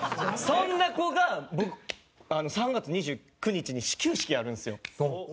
そんな子が僕３月２９日に始球式やるんですよ。